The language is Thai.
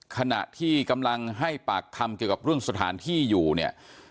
ขณะที่กำลังให้ปากคำเกี่ยวกับเรื่องสถานที่อยู่เนี่ย